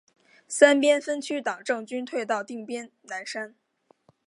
三边分区党政军退到定边南山。